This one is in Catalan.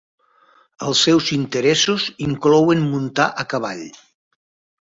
Els seus interessos inclouen muntar a cavall.